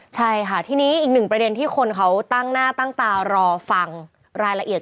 ใช่ค่ะทีนี้อีกหนึ่งประเด็นที่คนเขาตั้งหน้าตั้งตารอฟังรายละเอียด